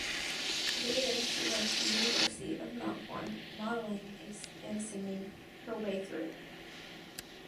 Later she went to University of Melbourne - modelling and singing her way through.